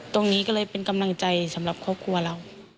ตรงนี้ก็เลยเป็นกำลังใจสำหรับครอบครัวเรา